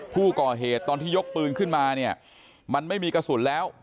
ตอนที่ยกปืนขึ้นมาเนี่ยมันไม่มีกระสุนแล้ว